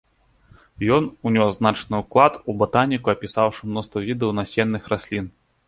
Ён унёс значны ўклад у батаніку, апісаўшы мноства відаў насенных раслін.